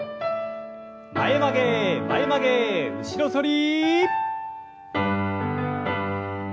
前曲げ前曲げ後ろ反り。